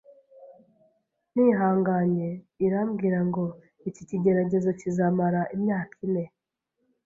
nihanganye irambwira ngo iki kigeragezo kizamara imyaka ine,